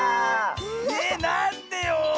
えなんでよ？